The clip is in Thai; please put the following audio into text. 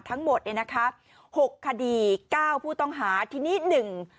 ทั้งหมดเนี่ยนะคะหกคดีเก้าผู้ต้องหาทีนี้หนึ่ง